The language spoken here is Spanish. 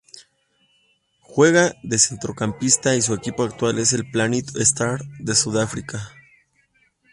Juega de centrocampista y su equipo actual es el Platinum Stars de Sudáfrica.